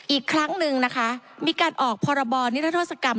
อีกครั้งหนึ่งนะคะมีการออกพรบนิรัทธศกรรม